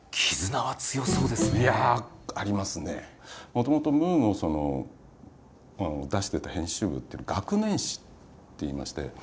もともと「ムー」の出してた編集部っていうのは「学年誌」っていいまして。